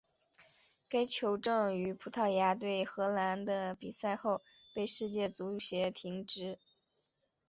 该球证于葡萄牙对荷兰的比赛后被世界足协停职。